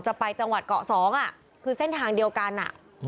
จะไปจังหวัดเกาะ๒คือเส้นทางเดียวกัน